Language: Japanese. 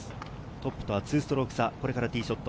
トップとは２ストローク差、これからティーショット。